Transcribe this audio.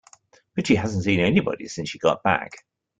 But she hasn't seen anybody since she got back.